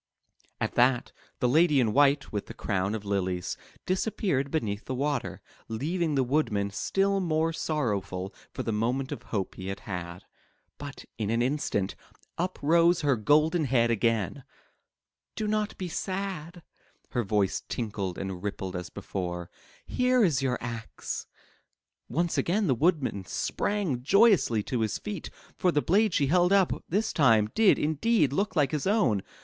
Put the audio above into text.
At that, the lady in white, with the crown of lilies, disappeared beneath the water, leaving the Woodman still more sorrowful for the moment of hope he had had. But in an instant, up rose her golden head again. "Do not be sad," her voice tinkled and rippled as before, "here is your axe." 79 MY BOOK HOUSE Once again the Woodman sprang joyously to his feet, for the blade she held up this time, did indeed look like his own.